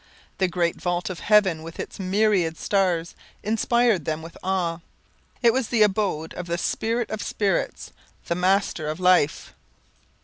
The great vault of heaven with its myriad stars inspired them with awe; it was the abode of the spirit of spirits, the Master of Life.